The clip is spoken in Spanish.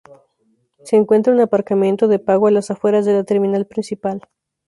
Se encuentra un aparcamiento de pago a las afueras de la terminal principal.